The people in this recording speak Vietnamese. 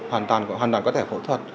hoàn toàn có thể phẫu thuật